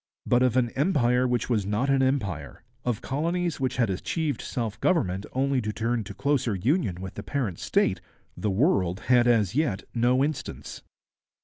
But of an empire which was not an empire, of colonies which had achieved self government only to turn to closer union with the parent state, the world had as yet no instance.